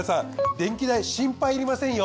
電気代心配いりませんよ。